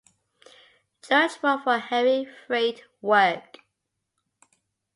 Churchward for heavy freight work.